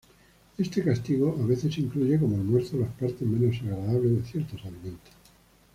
Este castigo a veces incluye como almuerzo las partes menos agradables de ciertos alimentos.